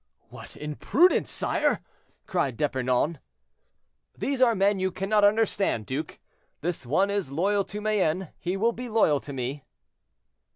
"What imprudence, sire!" cried D'Epernon. "There are men you cannot understand, duke. This one is loyal to Mayenne, he will be loyal to me."